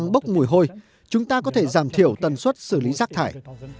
bốc mùi hôi chúng ta có thể giảm thiểu tần suất xử lý rác thải